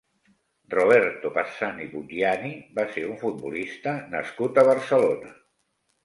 Roberto Passani Buggiani va ser un futbolista nascut a Barcelona.